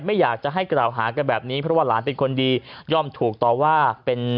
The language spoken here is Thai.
ไม่อยากจะให้กล่าวหากันแบบนี้เพราะว่าหลานเป็นคนดีย่อมถูกต่อว่าเป็น